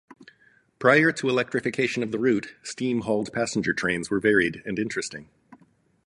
Prior to electrification of the route, steam hauled passenger trains were varied and interesting.